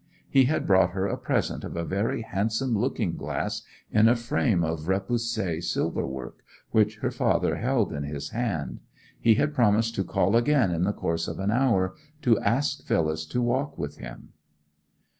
He had brought her a present of a very handsome looking glass in a frame of repoussé silverwork, which her father held in his hand. He had promised to call again in the course of an hour, to ask Phyllis to walk with him.